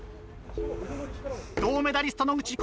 銅メダリスト野口